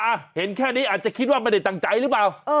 เห็นแค่นี้อาจจะคิดว่าไม่ได้ตั้งใจหรือเปล่า